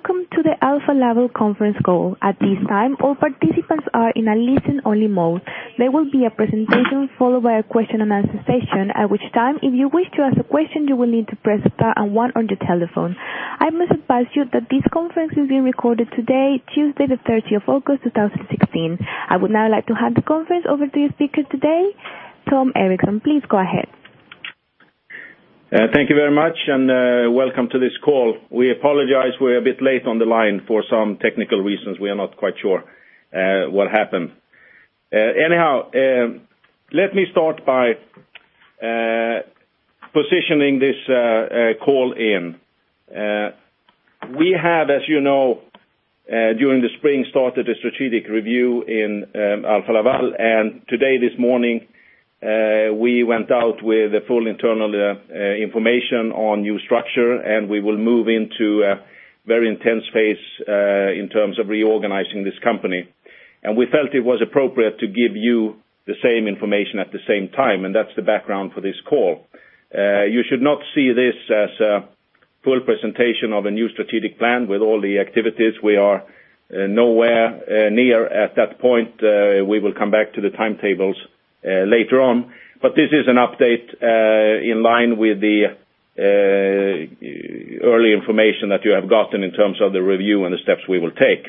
Welcome to the Alfa Laval conference call. At this time, all participants are in a listen-only mode. There will be a presentation followed by a question and answer session, at which time, if you wish to ask a question, you will need to press star and one on your telephone. I must advise you that this conference is being recorded today, Tuesday the 3rd of August 2016. I would now like to hand the conference over to your speaker today, Tom Erixon. Please go ahead. Thank you very much, and welcome to this call. We apologize we're a bit late on the line for some technical reasons. We are not quite sure what happened. Anyhow, let me start by positioning this call in. We have, as you know, during the spring, started a strategic review in Alfa Laval, and today, this morning, we went out with the full internal information on new structure, and we will move into a very intense phase in terms of reorganizing this company. We felt it was appropriate to give you the same information at the same time, and that's the background for this call. You should not see this as a full presentation of a new strategic plan with all the activities. We are nowhere near at that point. We will come back to the timetables later on. But this is an update in line with the early information that you have gotten in terms of the review and the steps we will take.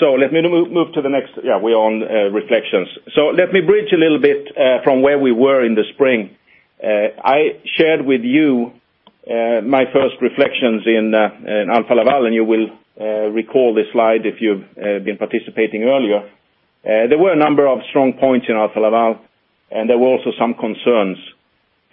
So let me move to the next-- Yeah, we are on reflections. So let me bridge a little bit from where we were in the spring. I shared with you my first reflections in Alfa Laval, and you will recall this slide if you've been participating earlier. There were a number of strong points in Alfa Laval, and there were also some concerns.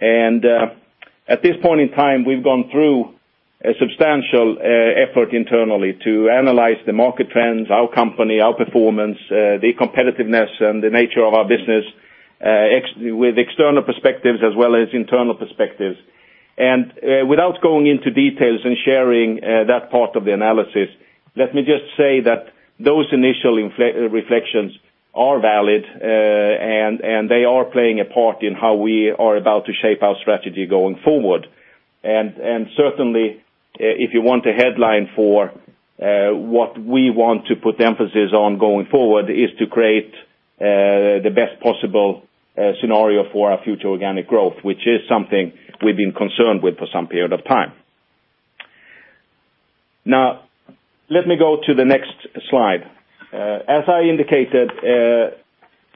At this point in time, we've gone through a substantial effort internally to analyze the market trends, our company, our performance, the competitiveness, and the nature of our business, with external perspectives as well as internal perspectives. Without going into details and sharing that part of the analysis, let me just say that those initial reflections are valid, and they are playing a part in how we are about to shape our strategy going forward. Certainly, if you want a headline for what we want to put emphasis on going forward is to create the best possible scenario for our future organic growth, which is something we've been concerned with for some period of time. Let me go to the next slide. As I indicated,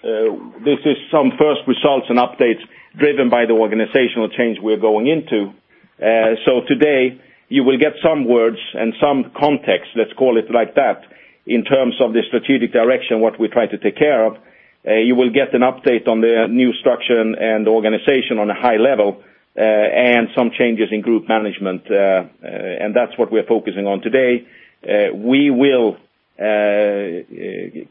this is some first results and updates driven by the organizational change we're going into. Today you will get some words and some context, let's call it like that, in terms of the strategic direction, what we try to take care of. You will get an update on the new structure and organization on a high level, and some changes in group management, and that's what we're focusing on today. We will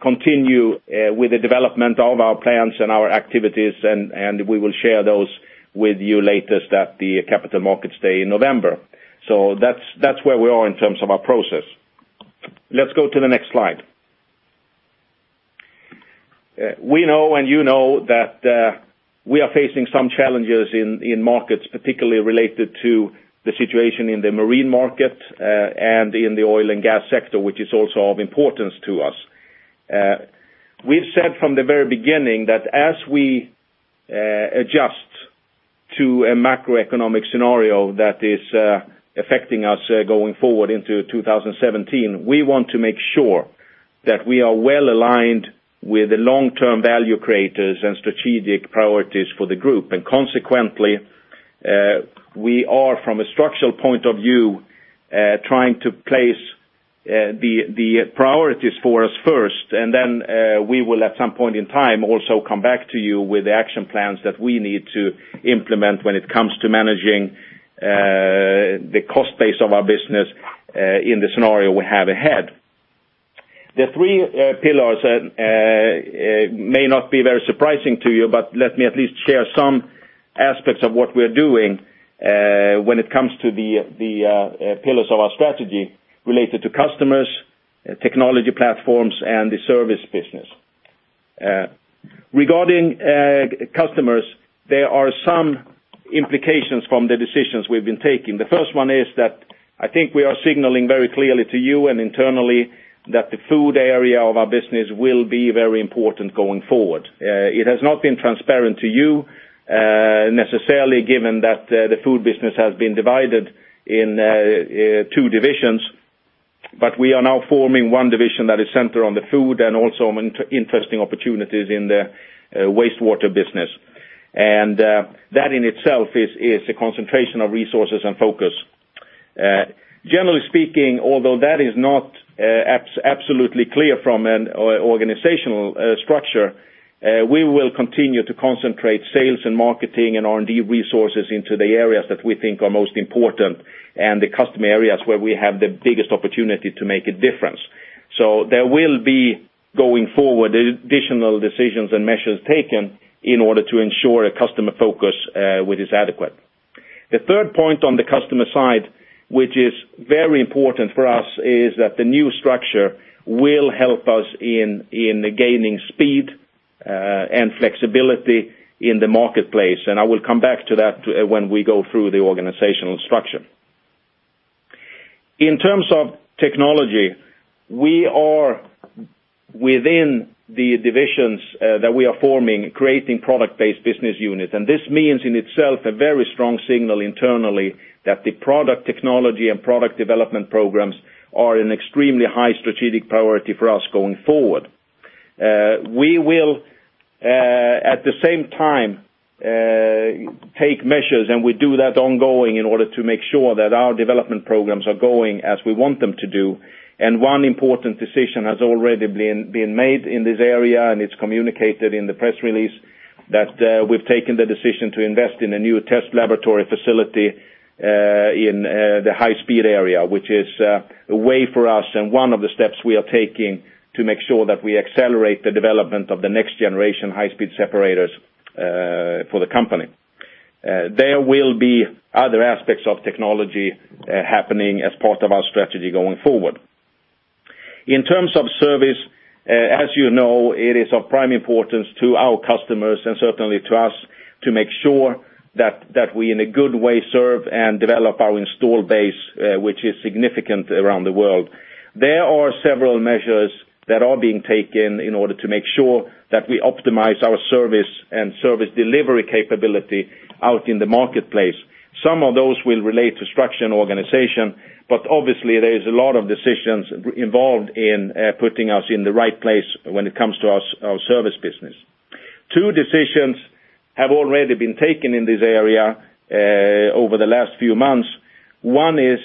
continue with the development of our plans and our activities, and we will share those with you latest at the Capital Markets Day in November. That's where we are in terms of our process. Let's go to the next slide. We know and you know that we are facing some challenges in markets particularly related to the situation in the marine market, and in the oil and gas sector, which is also of importance to us. We've said from the very beginning that as we adjust to a macroeconomic scenario that is affecting us going forward into 2017, we want to make sure that we are well-aligned with the long-term value creators and strategic priorities for the group, and consequently, we are, from a structural point of view, trying to place the priorities for us first, and then we will, at some point in time, also come back to you with action plans that we need to implement when it comes to managing the cost base of our business in the scenario we have ahead. The three pillars may not be very surprising to you. Let me at least share some aspects of what we're doing, when it comes to the pillars of our strategy related to customers, technology platforms, and the service business. Regarding customers, there are some implications from the decisions we've been taking. The first one is that I think we are signaling very clearly to you and internally that the food area of our business will be very important going forward. It has not been transparent to you necessarily, given that the food business has been divided into two divisions, but we are now forming one division that is centered on the food and also interesting opportunities in the wastewater business. That in itself is a concentration of resources and focus. Generally speaking, although that is not absolutely clear from an organizational structure, we will continue to concentrate sales and marketing and R&D resources into the areas that we think are most important and the customer areas where we have the biggest opportunity to make a difference. There will be, going forward, additional decisions and measures taken in order to ensure a customer focus which is adequate. The third point on the customer side, which is very important for us, is that the new structure will help us in gaining speed and flexibility in the marketplace. I will come back to that when we go through the organizational structure. In terms of technology, we are within the divisions that we are forming, creating product-based business units. This means in itself a very strong signal internally that the product technology and product development programs are an extremely high strategic priority for us going forward. We will, at the same time, take measures, and we do that ongoing in order to make sure that our development programs are going as we want them to do. One important decision has already been made in this area, and it's communicated in the press release, that we've taken the decision to invest in a new test laboratory facility in the high-speed area, which is a way for us, and one of the steps we are taking to make sure that we accelerate the development of the next generation high speed separators for the company. There will be other aspects of technology happening as part of our strategy going forward. In terms of service, as you know, it is of prime importance to our customers and certainly to us to make sure that we in a good way serve and develop our install base, which is significant around the world. There are several measures that are being taken in order to make sure that we optimize our service and service delivery capability out in the marketplace. Some of those will relate to structure and organization, obviously there is a lot of decisions involved in putting us in the right place when it comes to our service business. Two decisions have already been taken in this area over the last few months. One is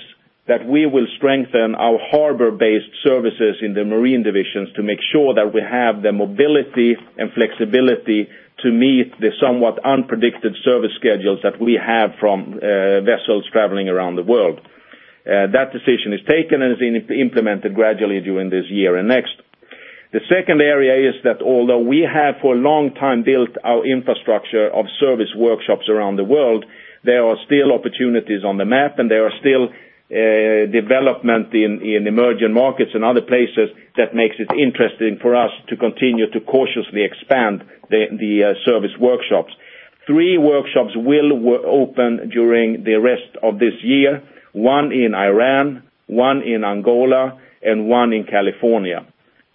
that we will strengthen our harbor-based services in the Marine Division to make sure that we have the mobility and flexibility to meet the somewhat unpredicted service schedules that we have from vessels traveling around the world. That decision is taken and is being implemented gradually during this year and next. The second area is that although we have for a long time built our infrastructure of service workshops around the world, there are still opportunities on the map, and there are still development in emerging markets and other places that makes it interesting for us to continue to cautiously expand the service workshops. Three workshops will open during the rest of this year, one in Iran, one in Angola, and one in California.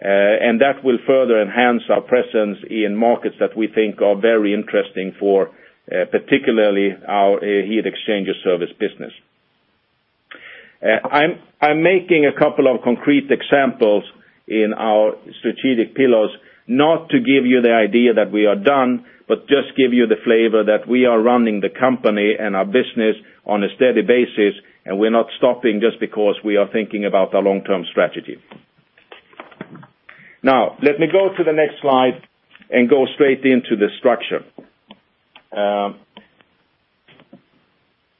That will further enhance our presence in markets that we think are very interesting for, particularly our heat exchanger service business. I'm making a couple of concrete examples in our strategic pillars, not to give you the idea that we are done, but just give you the flavor that we are running the company and our business on a steady basis, and we're not stopping just because we are thinking about our long-term strategy. Let me go to the next slide and go straight into the structure.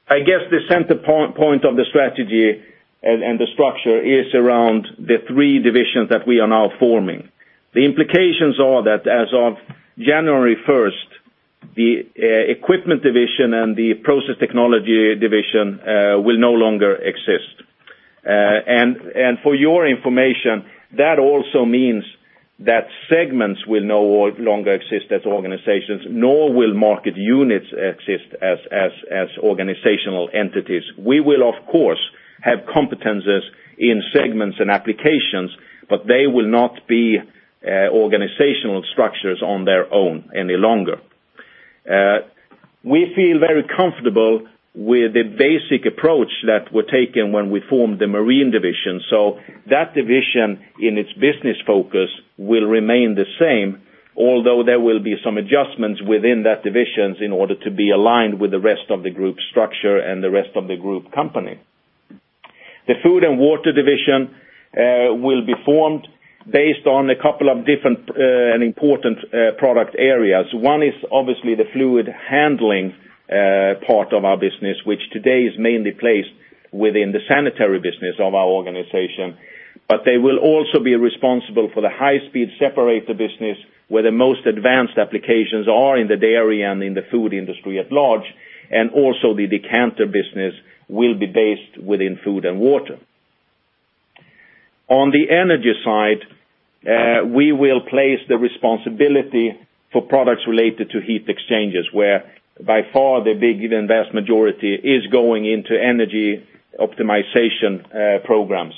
I guess the center point of the strategy and the structure is around the three divisions that we are now forming. The implications are that as of January 1st, the Equipment Division and the Process Technology Division will no longer exist. For your information, that also means that segments will no longer exist as organizations, nor will market units exist as organizational entities. We will, of course, have competencies in segments and applications, but they will not be organizational structures on their own any longer. We feel very comfortable with the basic approach that were taken when we formed the Marine Division. That division in its business focus will remain the same, although there will be some adjustments within that divisions in order to be aligned with the rest of the group structure and the rest of the group company. The Food & Water Division will be formed based on a couple of different and important product areas. One is obviously the fluid handling part of our business, which today is mainly placed within the sanitary business of our organization. They will also be responsible for the high-speed separator business, where the most advanced applications are in the dairy and in the food industry at large, and also the decanter business will be based within Food & Water. On the energy side, we will place the responsibility for products related to heat exchangers, where by far the vast majority is going into energy optimization programs.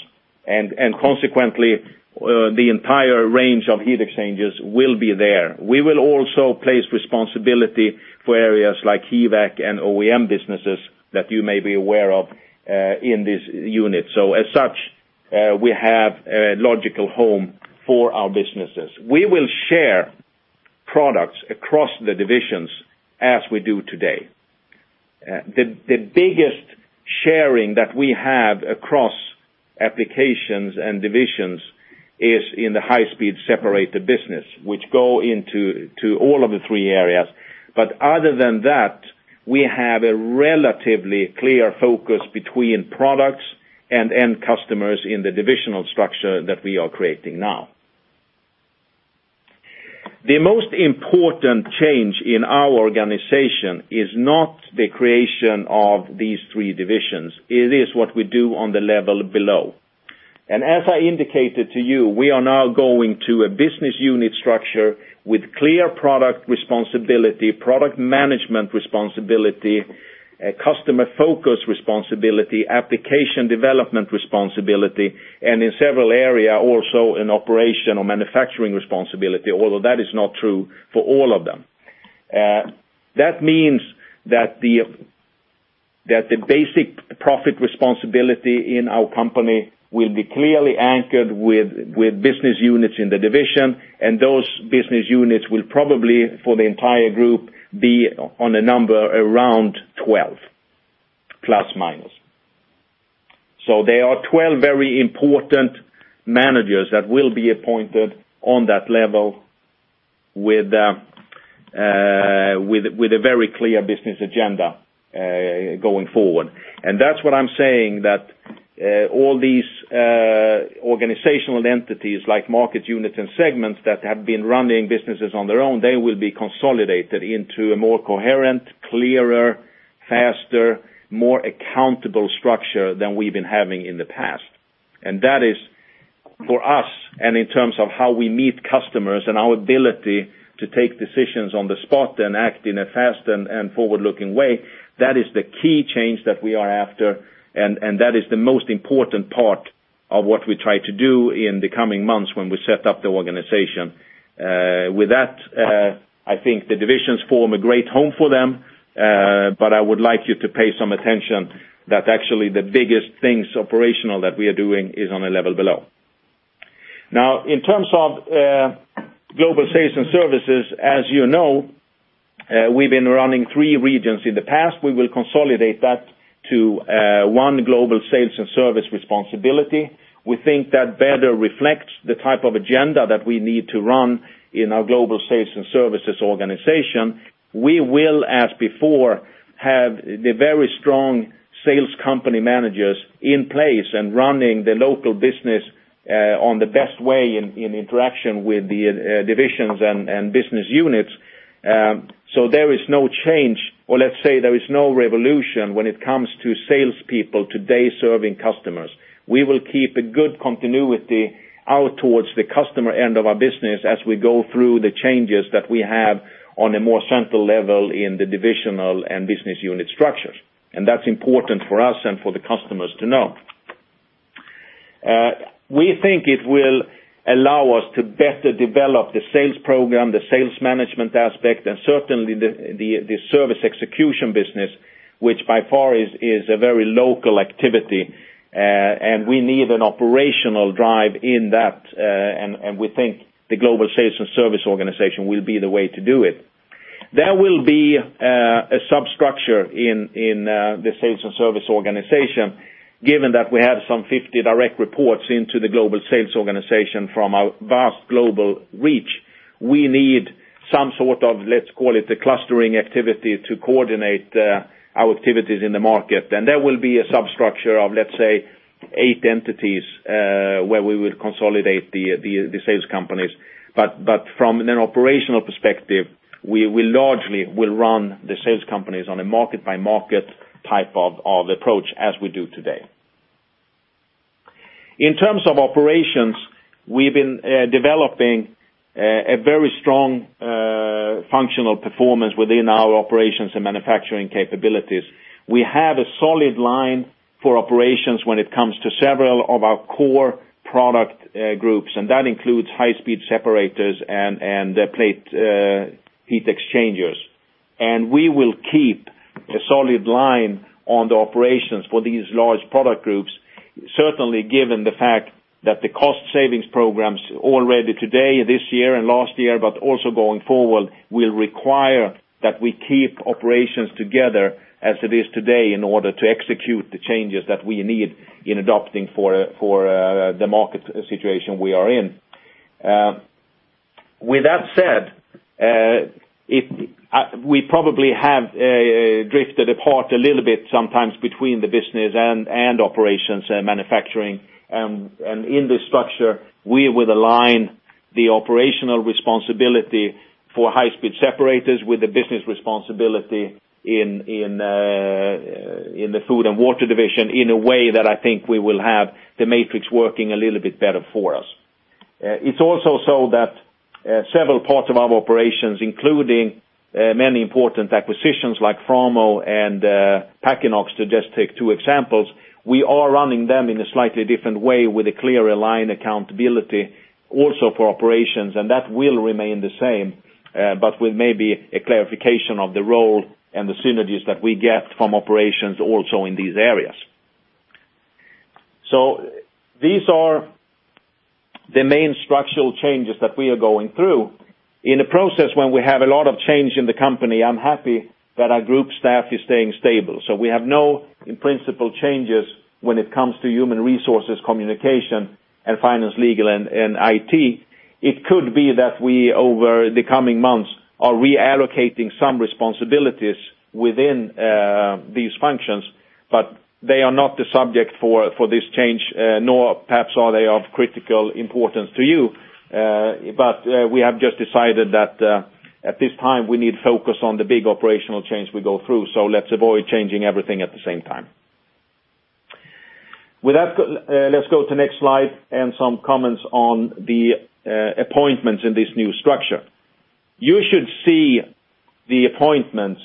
Consequently, the entire range of heat exchangers will be there. We will also place responsibility for areas like HVAC and OEM businesses that you may be aware of in this unit. As such, we have a logical home for our businesses. We will share products across the divisions as we do today. The biggest sharing that we have across applications and divisions is in the high-speed separator business, which go into all of the three areas. Other than that, we have a relatively clear focus between products and end customers in the divisional structure that we are creating now. The most important change in our organization is not the creation of these three divisions. It is what we do on the level below. As I indicated to you, we are now going to a business unit structure with clear product responsibility, product management responsibility, customer focus responsibility, application development responsibility, and in several area also an operational manufacturing responsibility, although that is not true for all of them. That means that the basic profit responsibility in our company will be clearly anchored with business units in the division, and those business units will probably, for the entire group, be on a number around 12, plus, minus. There are 12 very important managers that will be appointed on that level with a very clear business agenda going forward. That's what I'm saying, that all these organizational entities like market units and segments that have been running businesses on their own, they will be consolidated into a more coherent, clearer, faster, more accountable structure than we've been having in the past. That is for us, and in terms of how we meet customers and our ability to take decisions on the spot and act in a fast and forward-looking way, that is the key change that we are after, and that is the most important part of what we try to do in the coming months when we set up the organization. With that, I think the divisions form a great home for them, but I would like you to pay some attention that actually the biggest things operational that we are doing is on a level below. Now, in terms of global sales and services, as you know, we've been running three regions in the past. We will consolidate that to one global sales and service responsibility. We think that better reflects the type of agenda that we need to run in our global sales and services organization. We will, as before, have the very strong sales company managers in place and running the local business on the best way in interaction with the divisions and business units. There is no change, or let's say there is no revolution when it comes to salespeople today serving customers. We will keep a good continuity out towards the customer end of our business as we go through the changes that we have on a more central level in the divisional and business unit structures. That's important for us and for the customers to know. We think it will allow us to better develop the sales program, the sales management aspect, and certainly the service execution business, which by far is a very local activity. We need an operational drive in that, and we think the global sales and service organization will be the way to do it. There will be a substructure in the sales and service organization, given that we have some 50 direct reports into the global sales organization from our vast global reach. We need some sort of, let's call it a clustering activity to coordinate our activities in the market. There will be a substructure of, let's say, eight entities, where we will consolidate the sales companies. From an operational perspective, we largely will run the sales companies on a market-by-market type of approach as we do today. In terms of operations, we've been developing a very strong functional performance within our operations and manufacturing capabilities. We have a solid line for operations when it comes to several of our core product groups, and that includes high speed separators and plate heat exchangers. We will keep a solid line on the operations for these large product groups. Certainly, given the fact that the cost savings programs already today, this year and last year, but also going forward, will require that we keep operations together as it is today in order to execute the changes that we need in adopting for the market situation we are in. With that said, we probably have drifted apart a little bit sometimes between the business and operations and manufacturing. In this structure, we will align the operational responsibility for high speed separators with the business responsibility in the food and water division in a way that I think we will have the matrix working a little bit better for us. It's also so that several parts of our operations, including many important acquisitions like Framo and Packinox, to just take two examples, we are running them in a slightly different way with a clear align accountability also for operations, that will remain the same. With maybe a clarification of the role and the synergies that we get from operations also in these areas. These are the main structural changes that we are going through. In a process when we have a lot of change in the company, I'm happy that our group staff is staying stable. We have no principle changes when it comes to human resources, communication, and finance, legal, and IT. It could be that we, over the coming months, are reallocating some responsibilities within these functions, they are not the subject for this change, nor perhaps are they of critical importance to you. We have just decided that at this time, we need focus on the big operational change we go through, so let's avoid changing everything at the same time. With that, let's go to next slide and some comments on the appointments in this new structure. You should see the appointments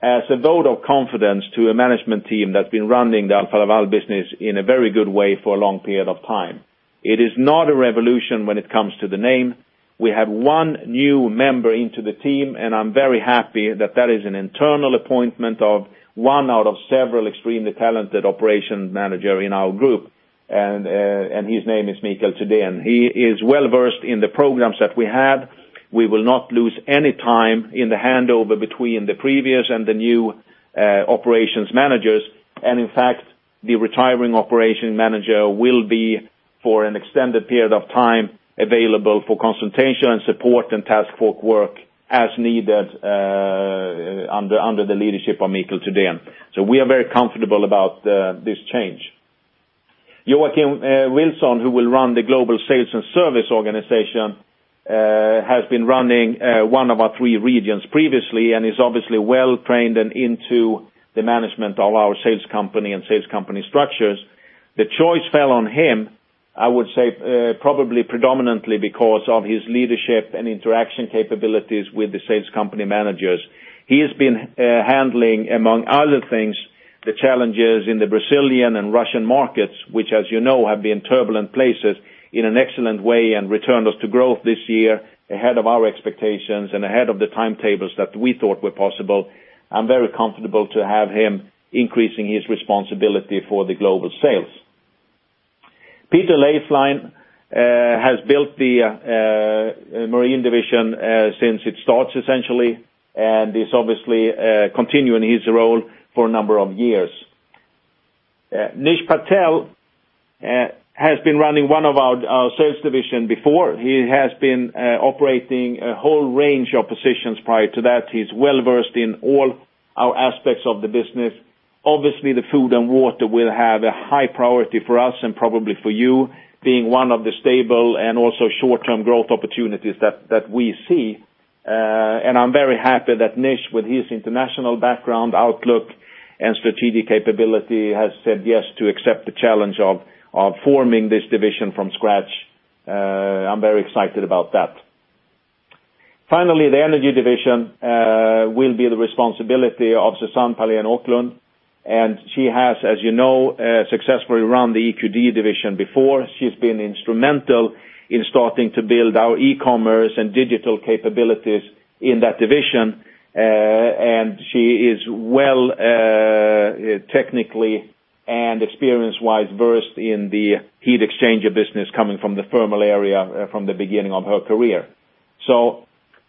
as a vote of confidence to a management team that's been running the Alfa Laval business in a very good way for a long period of time. It is not a revolution when it comes to the name. We have one new member into the team, I'm very happy that that is an internal appointment of one out of several extremely talented operation manager in our group, and his name is Mikael Tydén. He is well-versed in the programs that we have. We will not lose any time in the handover between the previous and the new operations managers. In fact, the retiring operation manager will be, for an extended period of time, available for consultation and support, and task force work as needed under the leadership of Mikael Tydén. We are very comfortable about this change. Joakim Vilson, who will run the global sales and service organization, has been running one of our three regions previously, and is obviously well-trained and into the management of our sales company and sales company structures. The choice fell on him, I would say, probably predominantly because of his leadership and interaction capabilities with the sales company managers. He has been handling, among other things, the challenges in the Brazilian and Russian markets, which as you know, have been turbulent places, in an excellent way and returned us to growth this year ahead of our expectations and ahead of the timetables that we thought were possible. I'm very comfortable to have him increasing his responsibility for the global sales. Peter Leifland has built the Marine Division since it starts essentially, and is obviously continuing his role for a number of years. Nish Patel has been running one of our sales division before. He has been operating a whole range of positions prior to that. He's well-versed in all our aspects of the business. Obviously, the Food & Water will have a high priority for us, and probably for you, being one of the stable and also short-term growth opportunities that we see. I'm very happy that Nish, with his international background, outlook, and strategic capability, has said yes to accept the challenge of forming this division from scratch. I'm very excited about that. Finally, the Energy Division will be the responsibility of Susanne Pahlén Åklundh, She has, as you know, successfully run the EQD Division before. She's been instrumental in starting to build our e-commerce and digital capabilities in that division. She is well technically and experience-wise versed in the heat exchanger business coming from the thermal area from the beginning of her career.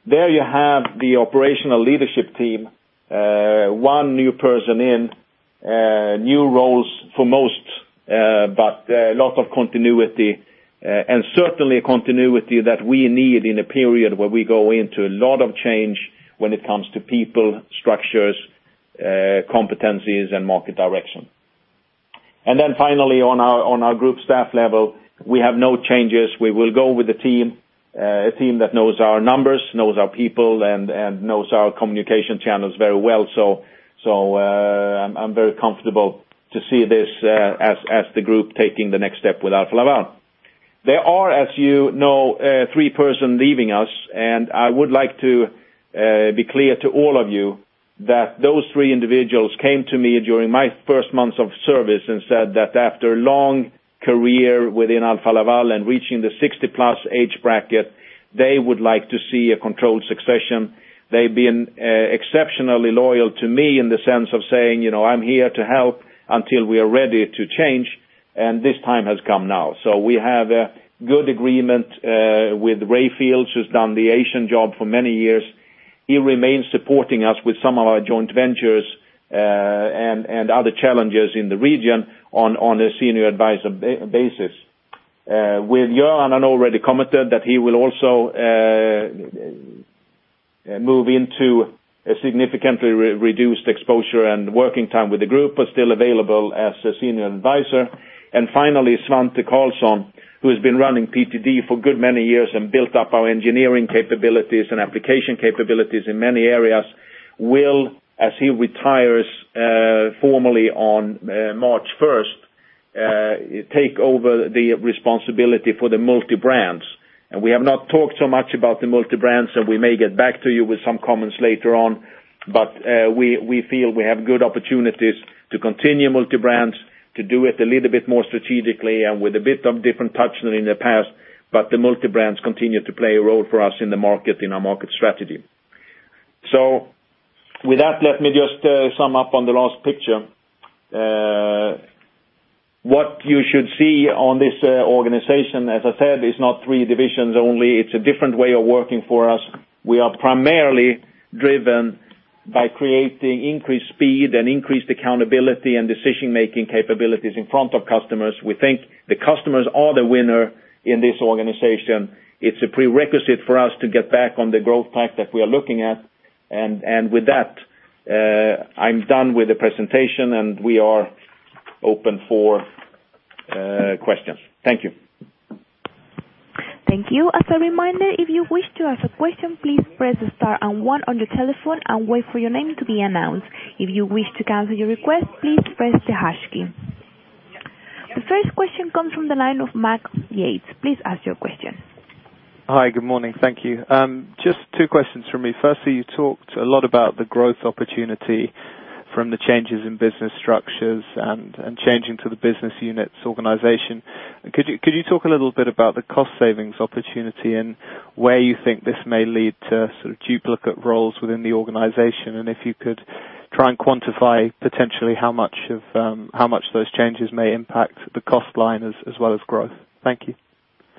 There you have the operational leadership team. One new person in, new roles for most, but lots of continuity. Certainly a continuity that we need in a period where we go into a lot of change when it comes to people, structures, competencies, and market direction. Finally on our group staff level, we have no changes. We will go with a team that knows our numbers, knows our people, and knows our communication channels very well. I'm very comfortable to see this as the group taking the next step with Alfa Laval. There are, as you know, three person leaving us, and I would like to be clear to all of you that those three individuals came to me during my first months of service and said that after long career within Alfa Laval and reaching the 60-plus age bracket, they would like to see a controlled succession. They've been exceptionally loyal to me in the sense of saying, "I'm here to help until we are ready to change," and this time has come now. We have a good agreement with Ray Field, who's done the Asian job for many years. He remains supporting us with some of our joint ventures, and other challenges in the region on a senior advisor basis. With Göran, I already commented that he will also move into a significantly reduced exposure and working time with the group, but still available as a senior advisor. Finally, Svante Karlsson, who has been running PTD for good many years and built up our engineering capabilities and application capabilities in many areas, will, as he retires formally on March 1st, take over the responsibility for the multi-brands. We have not talked so much about the multi-brands, we may get back to you with some comments later on. We feel we have good opportunities to continue multi-brands, to do it a little bit more strategically, and with a bit of different touch than in the past, the multi-brands continue to play a role for us in the market, in our market strategy. With that, let me just sum up on the last picture. What you should see on this organization, as I said, is not three divisions only. It's a different way of working for us. We are primarily driven by creating increased speed and increased accountability and decision-making capabilities in front of customers. We think the customers are the winner in this organization. It's a prerequisite for us to get back on the growth path that we are looking at. With that, I'm done with the presentation, we are open for questions. Thank you. Thank you. As a reminder, if you wish to ask a question, please press star and one on your telephone and wait for your name to be announced. If you wish to cancel your request, please press the hash key. The first question comes from the line of Max Yates. Please ask your question. Hi. Good morning. Thank you. Just two questions from me. Firstly, you talked a lot about the growth opportunity from the changes in business structures and changing to the business units organization. If you could try and quantify potentially how much those changes may impact the cost line as well as growth. Thank you.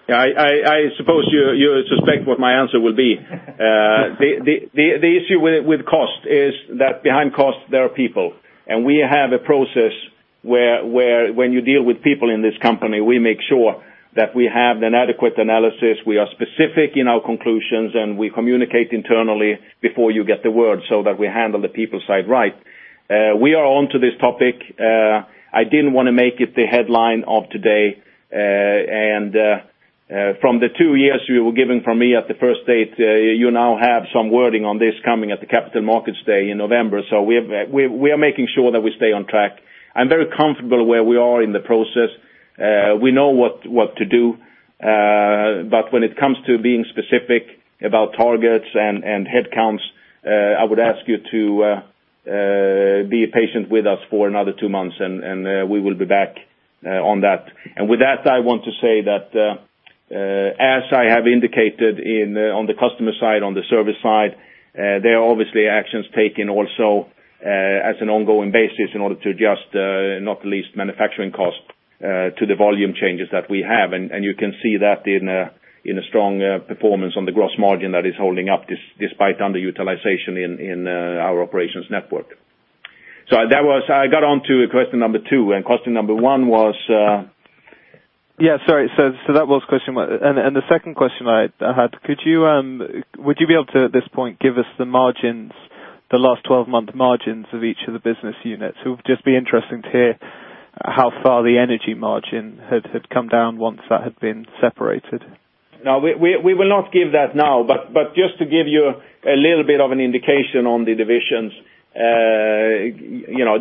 I suppose you suspect what my answer will be. The issue with cost is that behind cost, there are people, and we have a process where when you deal with people in this company, we make sure that we have an adequate analysis, we are specific in our conclusions, and we communicate internally before you get the word so that we handle the people side right. We are on to this topic. I didn't want to make it the headline of today. From the two years you were given from me at the first date, you now have some wording on this coming at the Capital Markets Day in November. We are making sure that we stay on track. I'm very comfortable where we are in the process. We know what to do. When it comes to being specific about targets and headcounts, I would ask you to be patient with us for another two months, and we will be back on that. With that, I want to say that, as I have indicated on the customer side, on the service side, there are obviously actions taken also as an ongoing basis in order to adjust, not the least, manufacturing costs to the volume changes that we have. You can see that in a strong performance on the gross margin that is holding up despite underutilization in our operations network. I got onto question number 2, and question number 1 was? Yeah, sorry. The second question I had, would you be able to, at this point, give us the last 12-month margins of each of the business units? It would just be interesting to hear how far the energy margin has come down once that had been separated. No, we will not give that now, but just to give you a little bit of an indication on the divisions,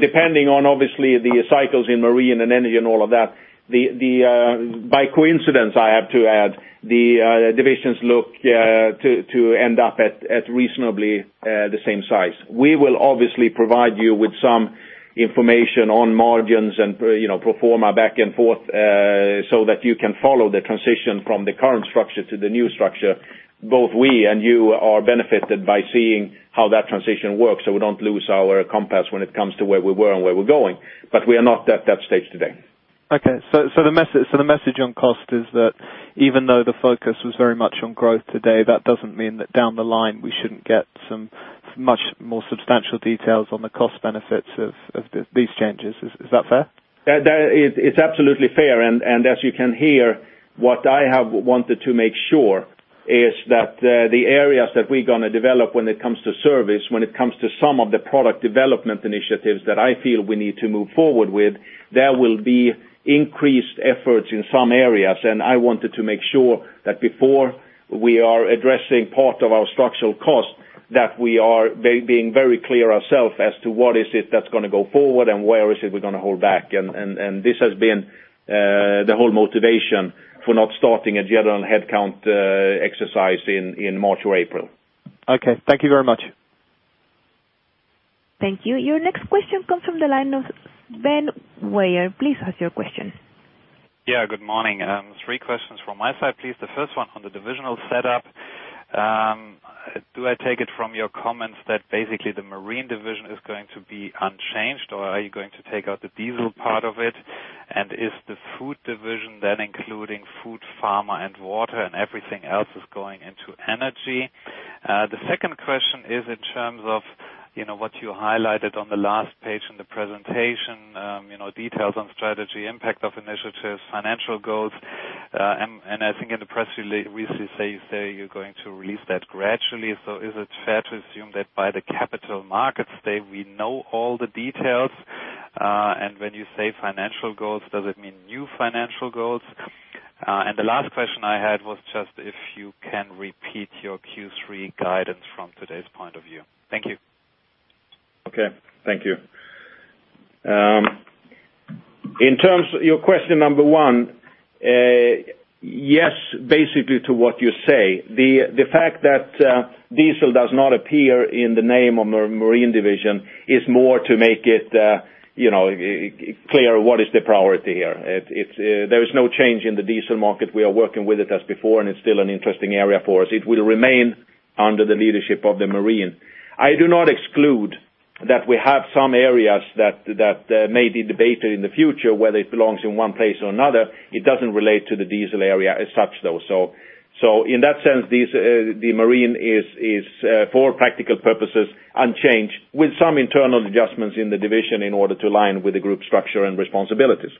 depending on, obviously, the cycles in marine and energy and all of that, by coincidence, I have to add, the divisions look to end up at reasonably the same size. We will obviously provide you with some information on margins and pro forma back and forth, so that you can follow the transition from the current structure to the new structure. Both we and you are benefited by seeing how that transition works, so we don't lose our compass when it comes to where we were and where we're going. We are not at that stage today. Okay. The message on cost is that even though the focus was very much on growth today, that doesn't mean that down the line, we shouldn't get some much more substantial details on the cost benefits of these changes. Is that fair? It's absolutely fair, and as you can hear, what I have wanted to make sure is that the areas that we're going to develop when it comes to service, when it comes to some of the product development initiatives that I feel we need to move forward with, there will be increased efforts in some areas. I wanted to make sure that before we are addressing part of our structural cost, that we are being very clear ourselves as to what is it that's going to go forward and where is it we're going to hold back. This has been the whole motivation for not starting a general headcount exercise in March or April. Okay. Thank you very much. Thank you. Your next question comes from the line of Sven Weier. Please ask your question. Yeah, good morning. Three questions from my side, please. The first one on the divisional setup. Do I take it from your comments that basically the Marine Division is going to be unchanged, or are you going to take out the diesel part of it? Is the Food Division then including food, pharma, and water, and everything else is going into the Energy Division? The second question is in terms of what you highlighted on the last page in the presentation, details on strategy, impact of initiatives, financial goals. I think in the press release you say you're going to release that gradually. Is it fair to assume that by the Capital Markets Day, we know all the details? When you say financial goals, does it mean new financial goals? The last question I had was just if you can repeat your Q3 guidance from today's point of view. Thank you. Okay. Thank you. Your question number 1, yes, basically to what you say. The fact that diesel does not appear in the name of our marine division is more to make it clear what is the priority here. There is no change in the diesel market. We are working with it as before, and it's still an interesting area for us. It will remain under the leadership of the marine. I do not exclude that we have some areas that may be debated in the future, whether it belongs in one place or another. It doesn't relate to the diesel area as such, though. In that sense, the marine is for practical purposes unchanged, with some internal adjustments in the division in order to align with the group structure and responsibilities.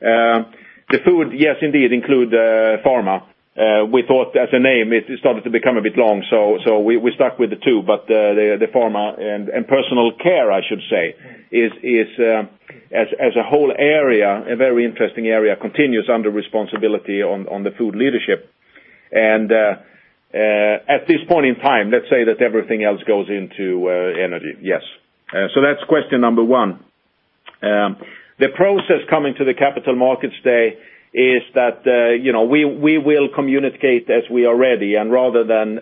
The food, yes, indeed, include pharma. We thought as a name, it started to become a bit long, so we stuck with the 2, but the pharma and personal care, I should say, as a whole area, a very interesting area, continues under responsibility on the food leadership. At this point in time, let's say that everything else goes into energy. Yes. That's question number 1. The process coming to the Capital Markets Day is that we will communicate as we are ready, and rather than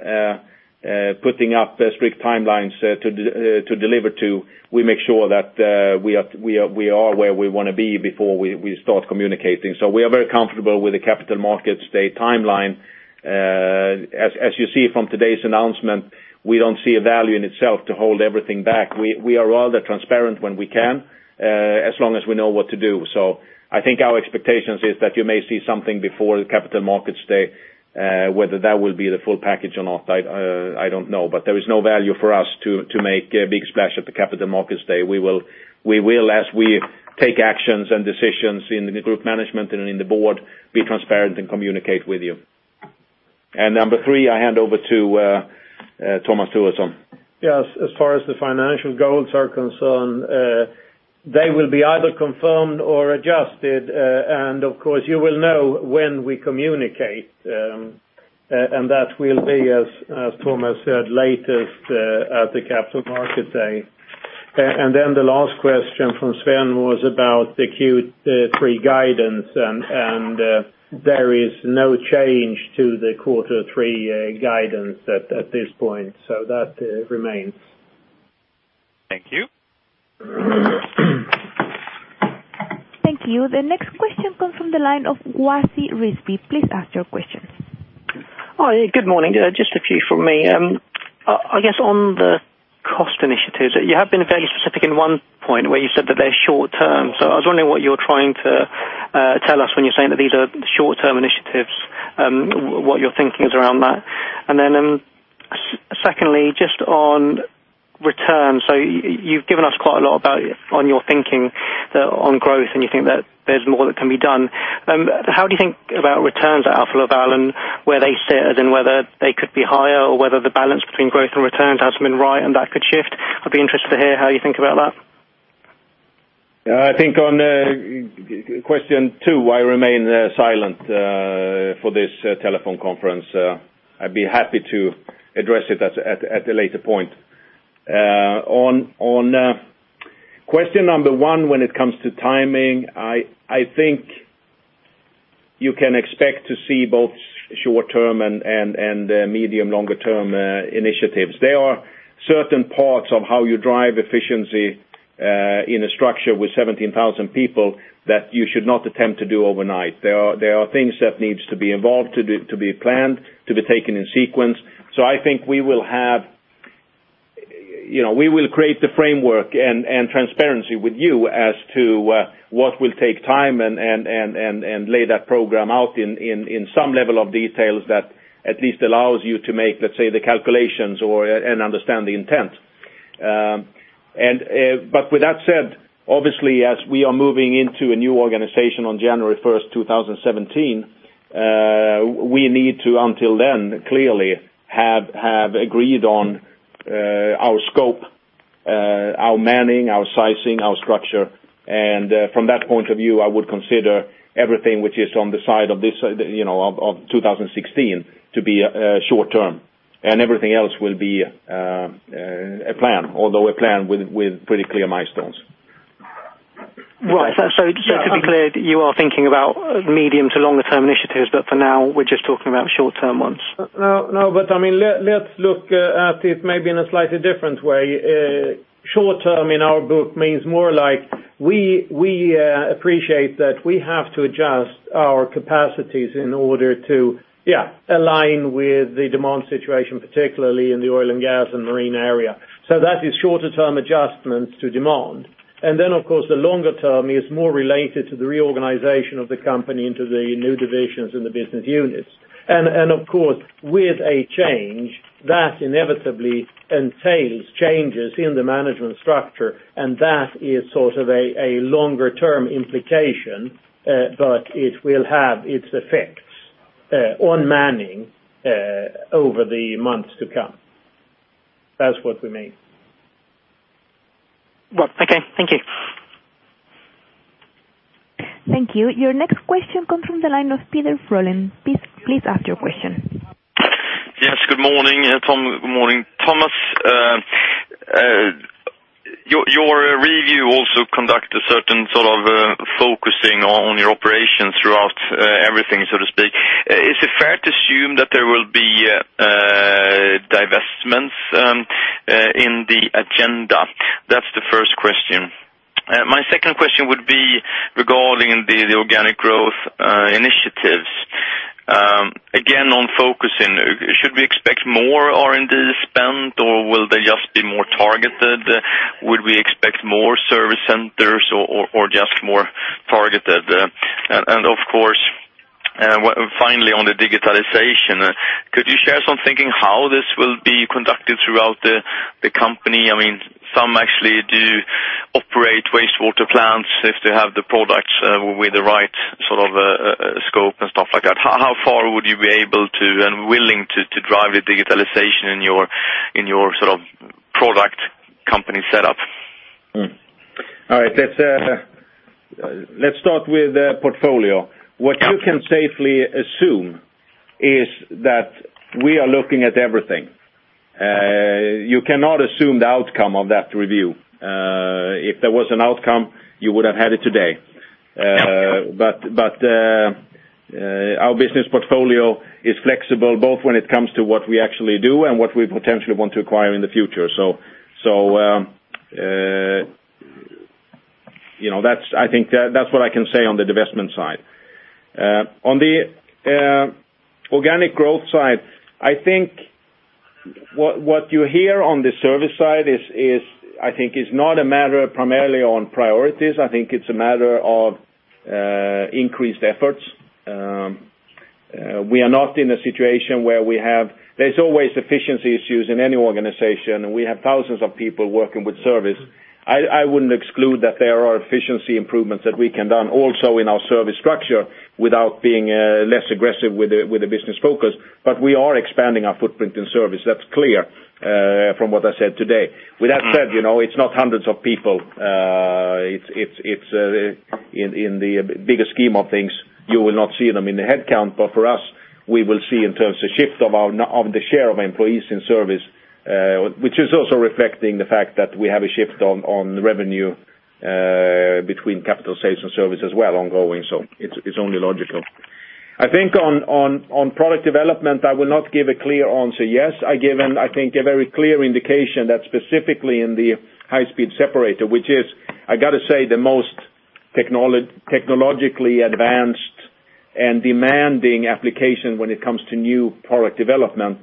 putting up strict timelines to deliver to, we make sure that we are where we want to be before we start communicating. We are very comfortable with the Capital Markets Day timeline. As you see from today's announcement, we don't see a value in itself to hold everything back. We are rather transparent when we can, as long as we know what to do. I think our expectations is that you may see something before the Capital Markets Day, whether that will be the full package or not, I don't know, but there is no value for us to make a big splash at the Capital Markets Day. We will, as we take actions and decisions in the group management and in the board, be transparent and communicate with you. Number 3, I hand over to Tomas Turesson. Yes. As far as the financial goals are concerned, they will be either confirmed or adjusted. Of course, you will know when we communicate, and that will be, as Tomas said, latest at the Capital Markets Day. The last question from Sven was about the Q3 guidance, and there is no change to the quarter 3 guidance at this point. That remains. Thank you. Thank you. The next question comes from the line of Wasi Rizvi. Please ask your question. Hi. Good morning. Just a few from me. I guess on the cost initiatives, you have been very specific in one point where you said that they're short-term. I was wondering what you're trying to tell us when you're saying that these are short-term initiatives, what your thinking is around that. Secondly, just on returns. You've given us quite a lot about on your thinking on growth, and you think that there's more that can be done. How do you think about returns at Alfa Laval and where they sit as in whether they could be higher or whether the balance between growth and returns has been right and that could shift? I'd be interested to hear how you think about that. I think on question two, I remain silent for this telephone conference. I'd be happy to address it at a later point. On question number 1, when it comes to timing, I think you can expect to see both short-term and medium, longer term initiatives. There are certain parts of how you drive efficiency in a structure with 17,000 people that you should not attempt to do overnight. There are things that needs to be involved, to be planned, to be taken in sequence. I think we will create the framework and transparency with you as to what will take time and lay that program out in some level of details that at least allows you to make, let's say, the calculations and understand the intent. With that said, obviously as we are moving into a new organization on January 1st, 2017, we need to, until then, clearly have agreed on our scope, our manning, our sizing, our structure. From that point of view, I would consider everything which is on the side of 2016 to be short-term and everything else will be a plan, although a plan with pretty clear milestones. Right. Just to be clear, you are thinking about medium to longer-term initiatives, but for now we're just talking about short-term ones. I mean, let's look at it maybe in a slightly different way. Short-term in our book means more like we appreciate that we have to adjust our capacities in order to align with the demand situation, particularly in the oil and gas and marine area. That is shorter-term adjustments to demand. Then of course, the longer-term is more related to the reorganization of the company into the new divisions in the business units. Of course, with a change, that inevitably entails changes in the management structure, and that is sort of a longer-term implication, but it will have its effects on manning over the months to come. That's what we mean. Well, okay. Thank you. Thank you. Your next question comes from the line of Peder Frelland. Please ask your question. Yes, good morning. Tom, good morning. Tomas, your review also conduct a certain sort of focusing on your operations throughout everything, so to speak. Is it fair to assume that there will be divestments in the agenda? That's the first question. My second question would be regarding the organic growth initiatives. Again, on focusing, should we expect more R&D spend, or will they just be more targeted? Would we expect more service centers or just more targeted? Of course, finally on the digitalization, could you share some thinking how this will be conducted throughout the company? I mean, some actually do operate wastewater plants if they have the products with the right sort of scope and stuff like that. How far would you be able to and willing to drive the digitalization in your Right. Let's start with the portfolio. What you can safely assume is that we are looking at everything. You cannot assume the outcome of that review. If there was an outcome, you would have had it today. Okay. Our business portfolio is flexible both when it comes to what we actually do and what we potentially want to acquire in the future. I think that's what I can say on the divestment side. On the organic growth side, I think what you hear on the service side, I think is not a matter primarily on priorities. I think it's a matter of increased efforts. We are not in a situation where there's always efficiency issues in any organization, and we have thousands of people working with service. I wouldn't exclude that there are efficiency improvements that we can done also in our service structure without being less aggressive with the business focus, but we are expanding our footprint in service. That's clear from what I said today. With that said, it's not hundreds of people. In the bigger scheme of things, you will not see them in the headcount, for us, we will see in terms of shift of the share of employees in service, which is also reflecting the fact that we have a shift on the revenue, between capital sales and service as well ongoing. It's only logical. I think on product development, I will not give a clear answer. Yes, I give, I think, a very clear indication that specifically in the High-Speed Separator, which is, I got to say, the most technologically advanced and demanding application when it comes to new product development,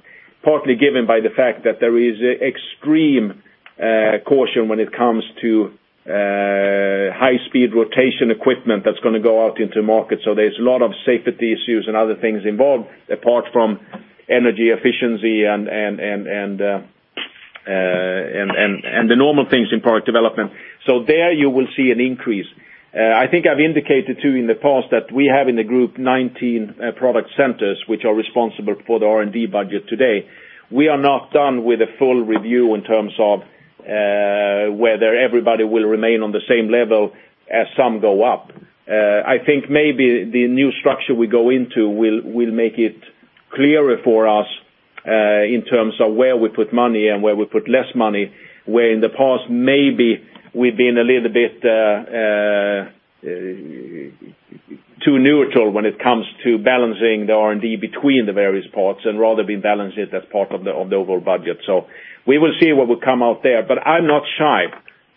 partly given by the fact that there is extreme caution when it comes to high-speed rotation equipment that's going to go out into market. There's a lot of safety issues and other things involved apart from energy efficiency and the normal things in product development. There you will see an increase. I think I've indicated, too, in the past that we have in the group 19 product centers, which are responsible for the R&D budget today. We are not done with a full review in terms of whether everybody will remain on the same level as some go up. I think maybe the new structure we go into will make it clearer for us, in terms of where we put money and where we put less money, where in the past maybe we've been a little bit too neutral when it comes to balancing the R&D between the various parts and rather been balanced as part of the overall budget. We will see what will come out there. I'm not shy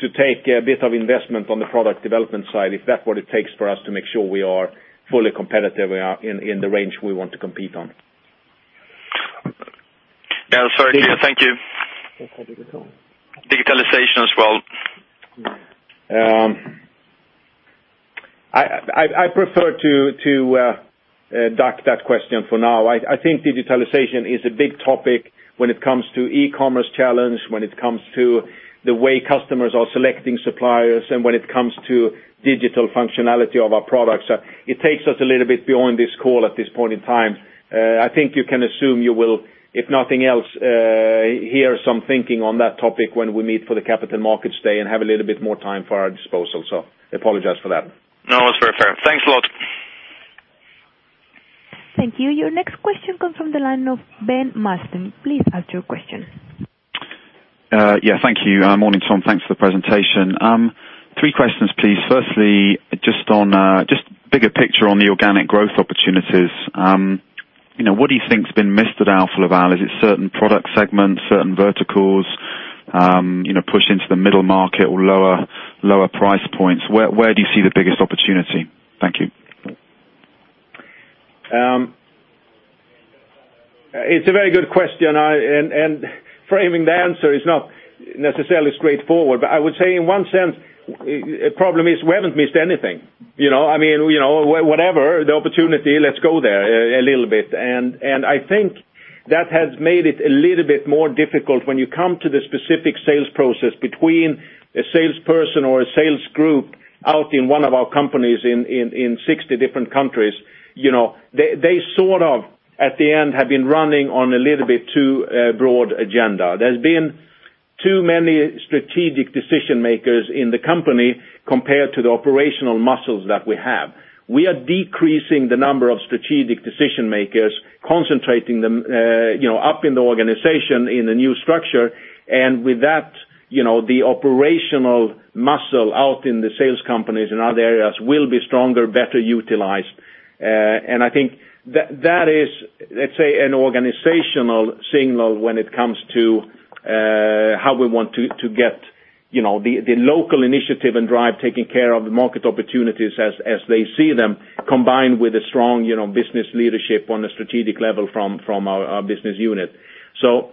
to take a bit of investment on the product development side, if that's what it takes for us to make sure we are fully competitive, we are in the range we want to compete on. Yeah. Sorry. Thank you. That's how did it go. Digitalization as well. I prefer to duck that question for now. I think digitalization is a big topic when it comes to e-commerce challenge, when it comes to the way customers are selecting suppliers, and when it comes to digital functionality of our products. It takes us a little bit beyond this call at this point in time. I think you can assume you will, if nothing else, hear some thinking on that topic when we meet for the Capital Markets Day and have a little bit more time for our disposal. I apologize for that. It's very fair. Thanks a lot. Thank you. Your next question comes from the line of Ben Mastin. Please ask your question. Yeah. Thank you. Morning, Tom. Thanks for the presentation. Three questions, please. Firstly, just bigger picture on the organic growth opportunities. What do you think has been missed at Alfa Laval? Is it certain product segments, certain verticals, push into the middle market or lower price points? Where do you see the biggest opportunity? Thank you. It's a very good question. Framing the answer is not necessarily straightforward. I would say in one sense, problem is we haven't missed anything. Whatever the opportunity, let's go there a little bit. I think that has made it a little bit more difficult when you come to the specific sales process between a salesperson or a sales group out in one of our companies in 60 different countries. They sort of, at the end, have been running on a little bit too broad agenda. There's been too many strategic decision-makers in the company compared to the operational muscles that we have. We are decreasing the number of strategic decision-makers, concentrating them up in the organization, in the new structure. With that, the operational muscle out in the sales companies and other areas will be stronger, better utilized. I think that is, let's say, an organizational signal when it comes to how we want to get the local initiative and drive taking care of the market opportunities as they see them, combined with a strong business leadership on a strategic level from our business unit. That's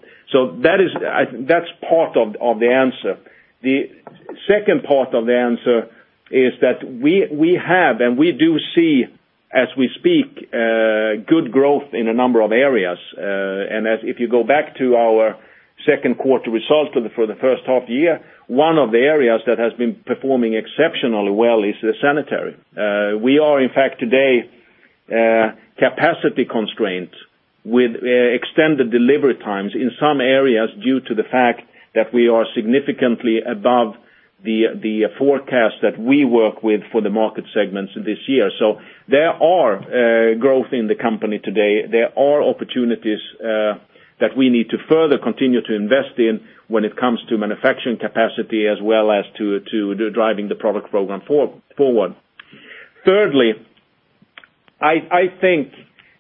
part of the answer. The second part of the answer is that we have, and we do see, as we speak, good growth in a number of areas. If you go back to our second quarter results for the first half year, one of the areas that has been performing exceptionally well is the sanitary. We are, in fact, today Capacity constraints with extended delivery times in some areas due to the fact that we are significantly above the forecast that we work with for the market segments this year. There are growth in the company today. There are opportunities that we need to further continue to invest in when it comes to manufacturing capacity, as well as to driving the product program forward. Thirdly, I think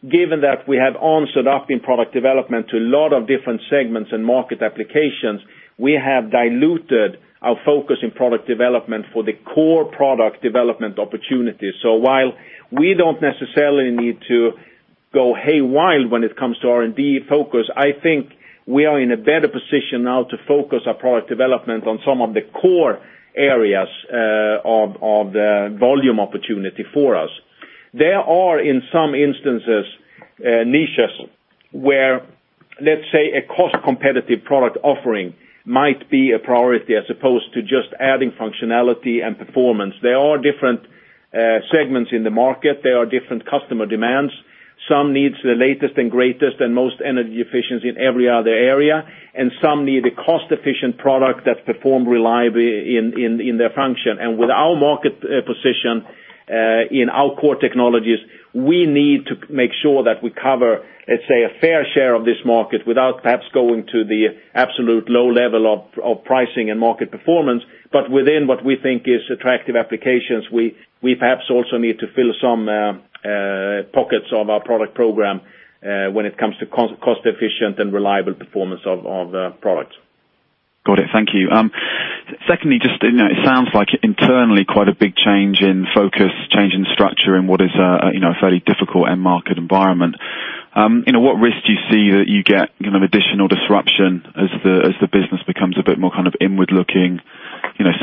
given that we have set up in product development to a lot of different segments and market applications, we have diluted our focus in product development for the core product development opportunities. While we don't necessarily need to go haywire when it comes to R&D focus, I think we are in a better position now to focus our product development on some of the core areas of the volume opportunity for us. There are, in some instances, niches where, let's say, a cost-competitive product offering might be a priority as opposed to just adding functionality and performance. There are different segments in the market. There are different customer demands. Some needs the latest and greatest and most energy efficient in every other area, and some need a cost-efficient product that perform reliably in their function. With our market position, in our core technologies, we need to make sure that we cover, let's say, a fair share of this market without perhaps going to the absolute low level of pricing and market performance. Within what we think is attractive applications, we perhaps also need to fill some pockets of our product program, when it comes to cost-efficient and reliable performance of products. Got it. Thank you. Secondly, it sounds like internally quite a big change in focus, change in structure in what is a fairly difficult end market environment. What risk do you see that you get additional disruption as the business becomes a bit more kind of inward-looking,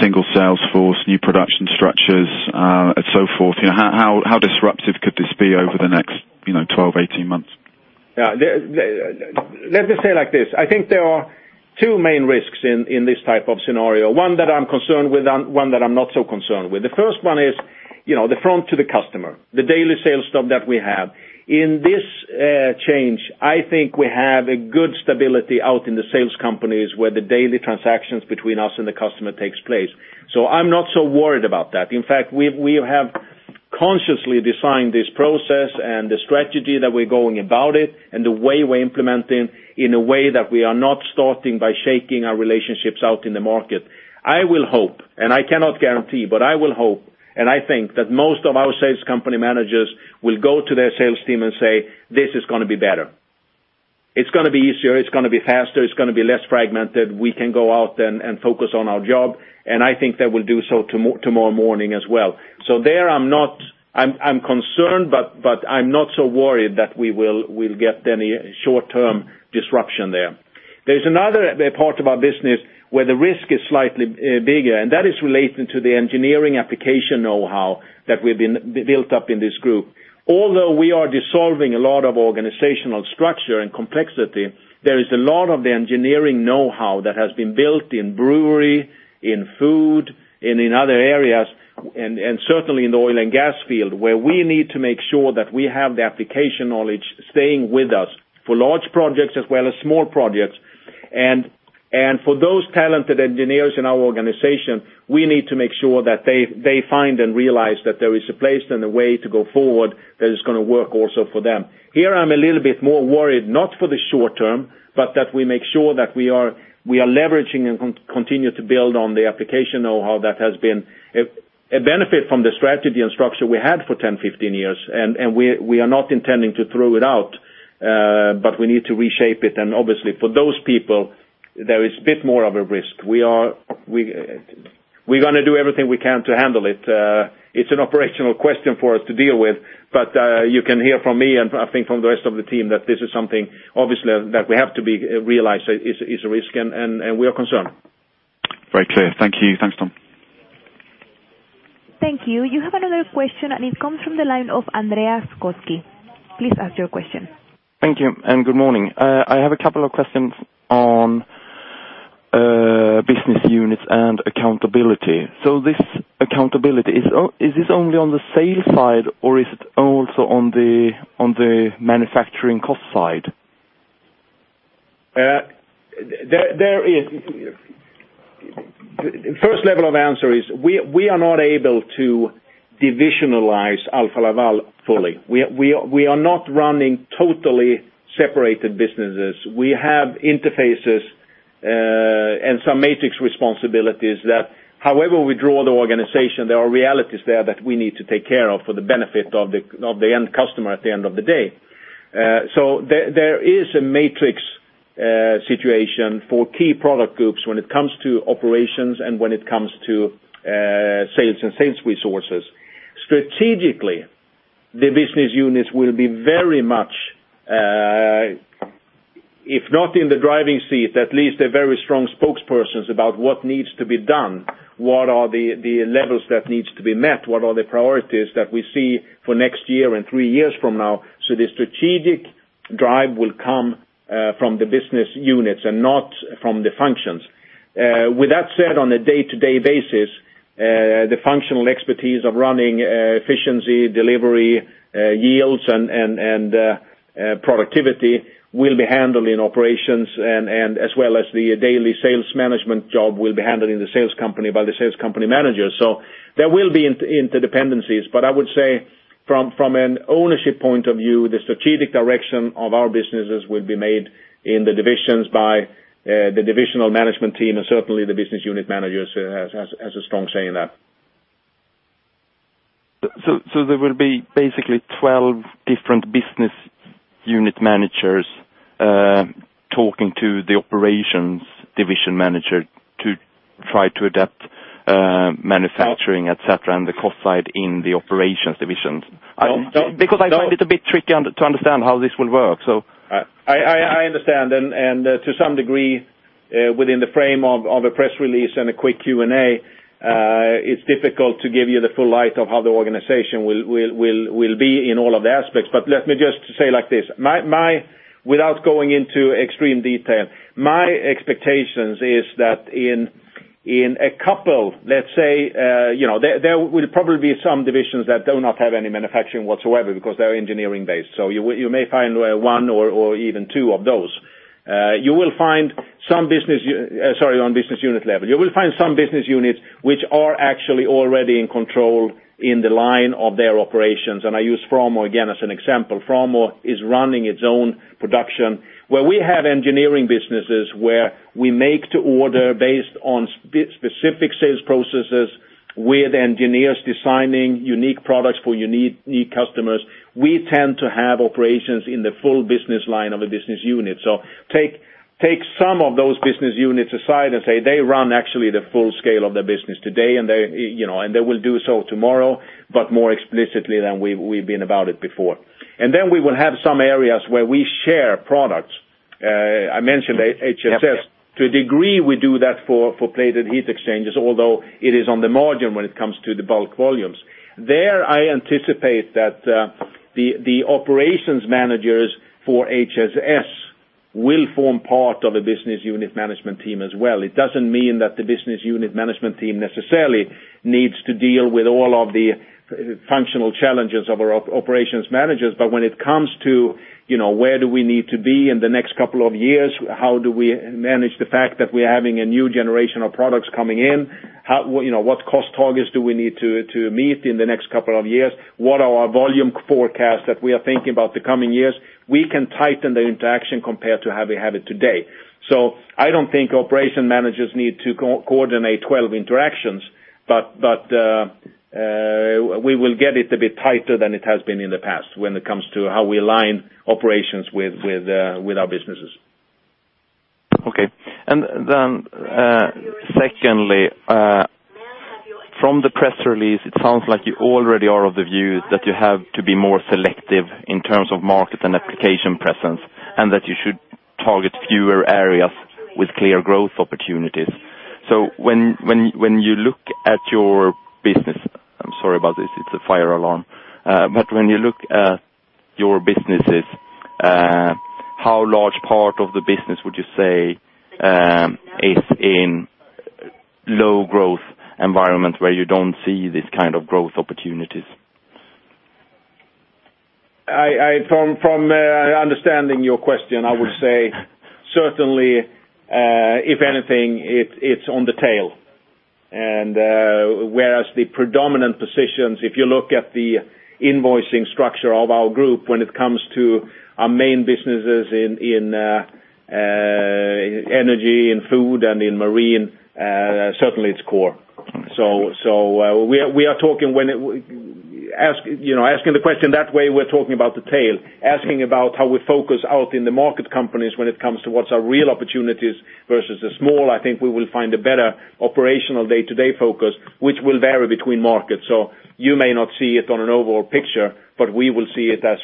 single sales force, new production structures, and so forth? How disruptive could this be over the next 12, 18 months? Let me say it like this. I think there are two main risks in this type of scenario. One that I'm concerned with and one that I'm not so concerned with. The first one is, the front to the customer, the daily sales job that we have. In this change, I think we have a good stability out in the sales companies where the daily transactions between us and the customer takes place. I'm not so worried about that. In fact, we have consciously designed this process and the strategy that we're going about it, and the way we're implementing in a way that we are not starting by shaking our relationships out in the market. I will hope, and I cannot guarantee, but I will hope and I think that most of our sales company managers will go to their sales team and say, "This is going to be better. It's going to be easier. It's going to be faster. It's going to be less fragmented. We can go out and focus on our job." I think they will do so tomorrow morning as well. There I'm concerned, but I'm not so worried that we'll get any short-term disruption there. There's another part of our business where the risk is slightly bigger, and that is related to the engineering application know-how that we've built up in this group. Although we are dissolving a lot of organizational structure and complexity, there is a lot of the engineering know-how that has been built in brewery, in food, and in other areas, and certainly in the oil and gas field, where we need to make sure that we have the application knowledge staying with us for large projects as well as small projects. For those talented engineers in our organization, we need to make sure that they find and realize that there is a place and a way to go forward that is going to work also for them. Here, I'm a little bit more worried, not for the short term, but that we make sure that we are leveraging and continue to build on the application know-how that has been a benefit from the strategy and structure we had for 10, 15 years. We are not intending to throw it out, but we need to reshape it, and obviously for those people, there is a bit more of a risk. We're going to do everything we can to handle it. It's an operational question for us to deal with, but you can hear from me and I think from the rest of the team that this is something obviously that we have to realize is a risk, and we are concerned. Very clear. Thank you. Thanks, Tom. Thank you. You have another question, it comes from the line of Andreas Koski. Please ask your question. Thank you, good morning. I have a couple of questions on business units and accountability. This accountability, is this only on the sales side or is it also on the manufacturing cost side? First level of answer is, we are not able to divisionalize Alfa Laval fully. We are not running totally separated businesses. We have interfaces, some matrix responsibilities that however we draw the organization, there are realities there that we need to take care of for the benefit of the end customer at the end of the day. There is a matrix situation for key product groups when it comes to operations when it comes to sales and sales resources. Strategically, the business units will be very much, if not in the driving seat, at least a very strong spokespersons about what needs to be done, what are the levels that needs to be met, what are the priorities that we see for next year three years from now. The strategic drive will come from the business units not from the functions. With that said, on a day-to-day basis, the functional expertise of running efficiency, delivery, yields, productivity will be handled in operations, as well as the daily sales management job will be handled in the sales company by the sales company manager. There will be interdependencies, I would say from an ownership point of view, the strategic direction of our businesses will be made in the divisions by the divisional management team, certainly the business unit managers has a strong say in that. There will be basically 12 different business unit managers talking to the operations division manager to try to adapt manufacturing, et cetera, and the cost side in the operations divisions. No. I find it a bit tricky to understand how this will work. I understand. To some degree, within the frame of a press release and a quick Q&A, it's difficult to give you the full light of how the organization will be in all of the aspects. Let me just say like this, without going into extreme detail, my expectation is that in a couple, there will probably be some divisions that do not have any manufacturing whatsoever because they're engineering-based. You may find one or even two of those. You will find some business, sorry, on business unit level. You will find some business units which are actually already in control in the line of their operations, and I use Framo again as an example. Framo is running its own production. Where we have engineering businesses, where we make to order based on specific sales processes with engineers designing unique products for unique customers, we tend to have operations in the full business line of a business unit. Take some of those business units aside and say they run actually the full scale of their business today, and they will do so tomorrow, but more explicitly than we've been about it before. Then we will have some areas where we share products. I mentioned HSS. To a degree we do that for plate heat exchangers, although it is on the margin when it comes to the bulk volumes. There, I anticipate that the operations managers for HSS will form part of a business unit management team as well. It doesn't mean that the business unit management team necessarily needs to deal with all of the functional challenges of our operations managers. When it comes to where do we need to be in the next couple of years, how do we manage the fact that we're having a new generation of products coming in? What cost targets do we need to meet in the next couple of years? What are our volume forecasts that we are thinking about the coming years? We can tighten the interaction compared to how we have it today. I don't think operation managers need to coordinate 12 interactions, but we will get it a bit tighter than it has been in the past when it comes to how we align operations with our businesses. Okay. Secondly, from the press release, it sounds like you already are of the view that you have to be more selective in terms of market and application presence, and that you should target fewer areas with clear growth opportunities. When you look at your business, I'm sorry about this, it's a fire alarm. When you look at your businesses, how large part of the business would you say is in low growth environment where you don't see this kind of growth opportunities? From understanding your question, I would say certainly, if anything, it's on the tail. Whereas the predominant positions, if you look at the invoicing structure of our group when it comes to our main businesses in energy, in food, and in marine, certainly it's core. Okay. Asking the question that way, we're talking about the tail. Asking about how we focus out in the market companies when it comes to what's our real opportunities versus the small, I think we will find a better operational day-to-day focus, which will vary between markets. You may not see it on an overall picture, but we will see it as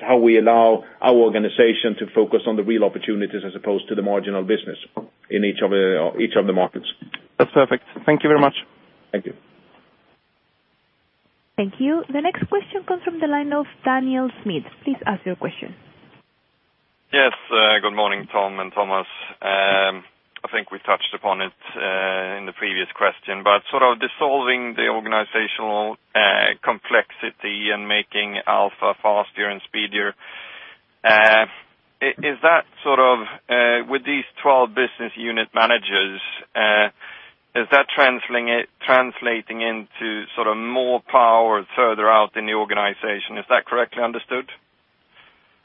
how we allow our organization to focus on the real opportunities as opposed to the marginal business in each of the markets. That's perfect. Thank you very much. Thank you. Thank you. The next question comes from the line of Daniel Smith. Please ask your question. Yes. Good morning, Tom and Tomas. Sort of dissolving the organizational complexity and making Alfa faster and speedier, with these 12 business unit managers, is that translating into more power further out in the organization? Is that correctly understood?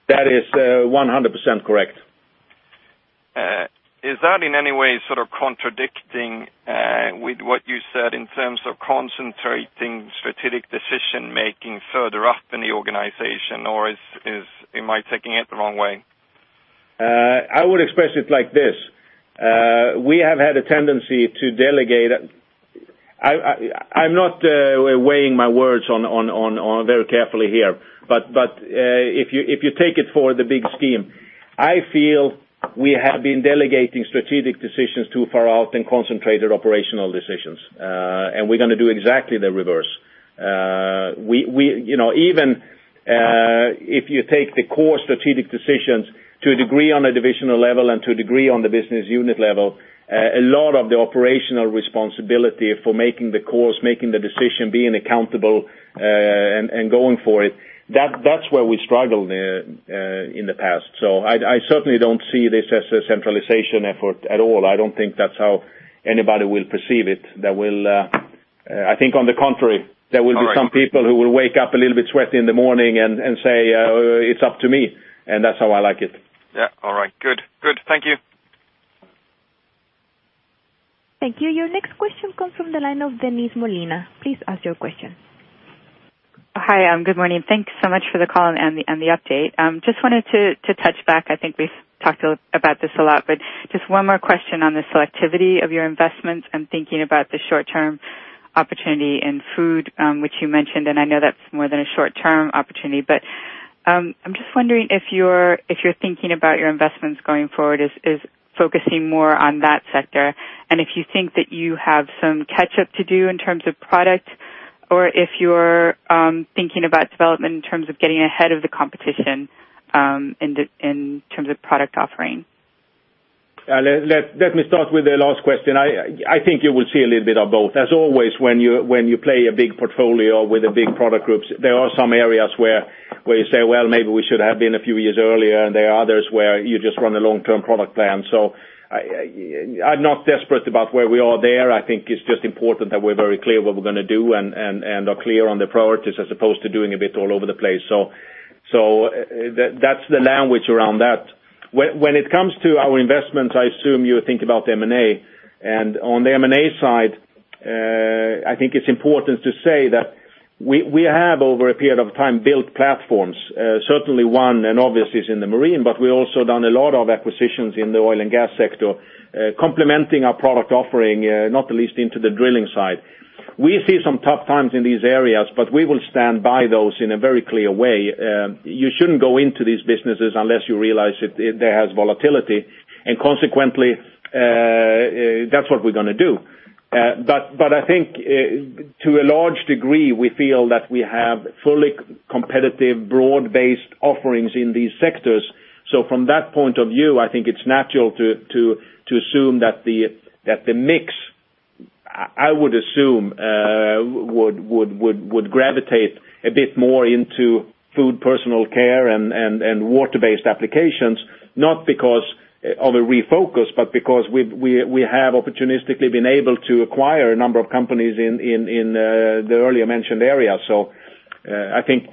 That is 100% correct. Is that in any way sort of contradicting with what you said in terms of concentrating strategic decision-making further up in the organization, or am I taking it the wrong way? I would express it like this. We have had a tendency to delegate. I'm not weighing my words very carefully here, but if you take it for the big scheme, I feel we have been delegating strategic decisions too far out and concentrated operational decisions. We're going to do exactly the reverse. Even if you take the core strategic decisions to a degree on a divisional level and to a degree on the business unit level, a lot of the operational responsibility for making the calls, making the decision, being accountable, and going for it, that's where we struggled in the past. I certainly don't see this as a centralization effort at all. I don't think that's how anybody will perceive it. I think on the contrary, there will be some people who will wake up a little bit sweaty in the morning and say, "It's up to me," and that's how I like it. Yeah. All right. Good. Thank you. Thank you. Your next question comes from the line of Denise Molina. Please ask your question. Hi. Good morning. Thank you so much for the call and the update. Just wanted to touch back, I think we've talked about this a lot, but just one more question on the selectivity of your investments and thinking about the short-term opportunity in food, which you mentioned, and I know that's more than a short-term opportunity. I'm just wondering if you're thinking about your investments going forward, is focusing more on that sector, and if you think that you have some catch-up to do in terms of product or if you're thinking about development in terms of getting ahead of the competition in terms of product offering. Let me start with the last question. I think you will see a little bit of both. As always, when you play a big portfolio with big product groups, there are some areas where you say, "Well, maybe we should have been a few years earlier," and there are others where you just run a long-term product plan. I'm not desperate about where we are there. I think it's just important that we're very clear what we're going to do and are clear on the priorities as opposed to doing a bit all over the place. That's the language around that. When it comes to our investments, I assume you're thinking about M&A. On the M&A side, I think it's important to say that we have, over a period of time, built platforms, certainly one and obviously is in the Marine, but we've also done a lot of acquisitions in the oil and gas sector, complementing our product offering, not the least into the drilling side. We see some tough times in these areas, but we will stand by those in a very clear way. You shouldn't go into these businesses unless you realize that there has volatility, and consequently, that's what we're going to do. I think to a large degree, we feel that we have fully competitive, broad-based offerings in these sectors. From that point of view, I think it's natural to assume that the mix, I would assume, would gravitate a bit more into food, personal care, and water-based applications, not because of a refocus, but because we have opportunistically been able to acquire a number of companies in the earlier mentioned areas. I think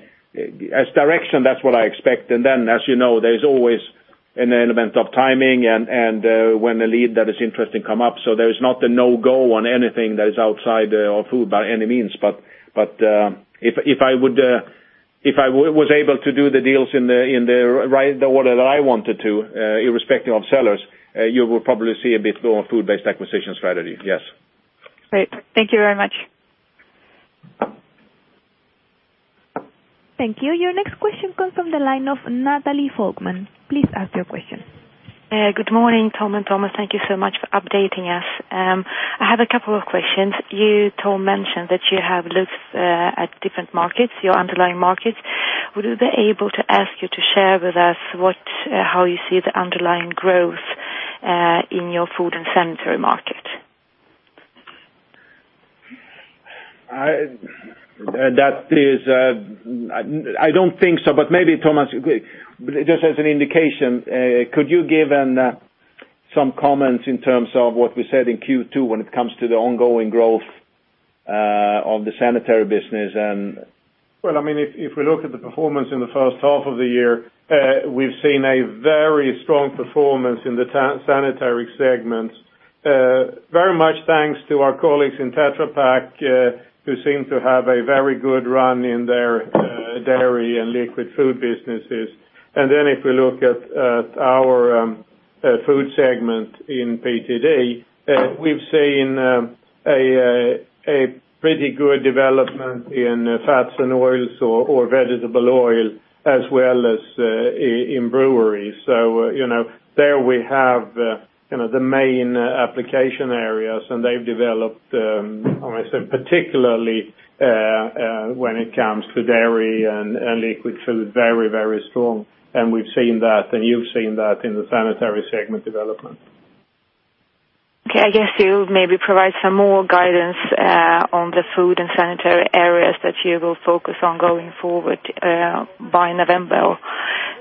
as direction, that's what I expect. Then, as you know, there's always an element of timing and when a lead that is interesting comes up. There is not a no-go on anything that is outside of food by any means. If I was able to do the deals in the order that I wanted to, irrespective of sellers, you will probably see a bit more food-based acquisition strategy, yes. Great. Thank you very much. Thank you. Your next question comes from the line of Nathalie Folkman. Please ask your question. Good morning, Tom and Tomas. Thank you so much for updating us. I have a couple of questions. You, Tom, mentioned that you have looked at different markets, your underlying markets. Would you be able to share with us how you see the underlying growth in your food and sanitary market? I don't think so, but maybe Tomas, just as an indication, could you give some comments in terms of what we said in Q2 when it comes to the ongoing growth of the sanitary business and Well, if we look at the performance in the first half of the year, we've seen a very strong performance in the sanitary segment. Very much thanks to our colleagues in Tetra Pak, who seem to have a very good run in their dairy and liquid food businesses. If we look at our food segment in PTD, we've seen a pretty good development in fats and oils or vegetable oil, as well as in breweries. There we have the main application areas, and they've developed, I must say, particularly when it comes to dairy and liquid food, very, very strong. And we've seen that, and you've seen that in the sanitary segment development. Okay. I guess you'll maybe provide some more guidance on the food and sanitary areas that you will focus on going forward by November,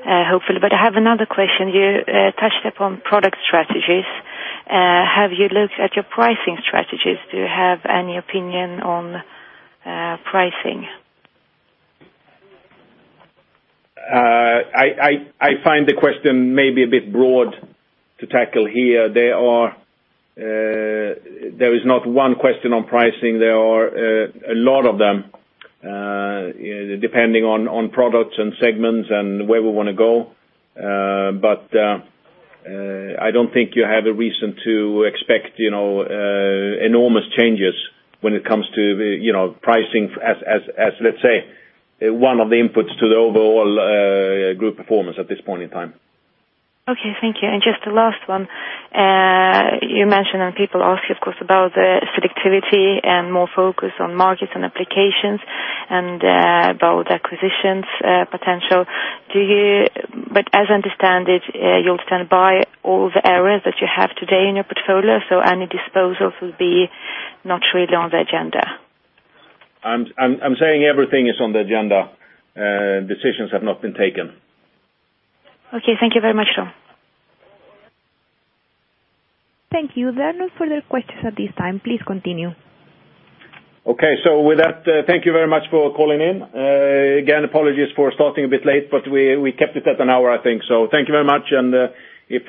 hopefully. I have another question. You touched upon product strategies. Have you looked at your pricing strategies? Do you have any opinion on pricing? I find the question may be a bit broad to tackle here. There is not one question on pricing. There are a lot of them, depending on products and segments and where we want to go. I don't think you have a reason to expect enormous changes when it comes to pricing as, let's say, one of the inputs to the overall group performance at this point in time. Okay, thank you. Just the last one. You mentioned, and people ask you, of course, about the selectivity and more focus on markets and applications and about acquisitions potential. As I understand it, you'll stand by all the areas that you have today in your portfolio, so any disposals will be not really on the agenda. I'm saying everything is on the agenda. Decisions have not been taken. Okay. Thank you very much, Tom. Thank you. There are no further questions at this time. Please continue. Okay, with that, thank you very much for calling in. Again, apologies for starting a bit late, but we kept it at an hour, I think. Thank you very much, and if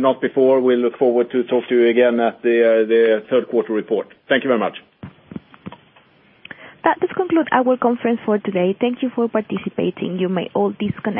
not before, we look forward to talk to you again at the third quarter report. Thank you very much. That does conclude our conference for today. Thank you for participating. You may all disconnect.